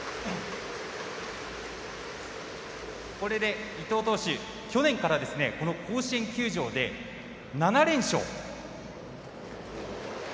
これで伊藤投手、去年からこの甲子園球場で７連勝。